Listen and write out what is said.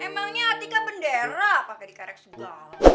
emangnya atika bendera pake dikerek segala